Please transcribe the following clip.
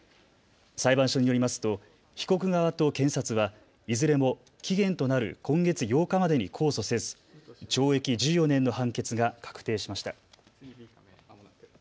裁判所によりますと被告側と検察はいずれも期限となる今月８日までに控訴せず懲役１４年の判決が確定しました。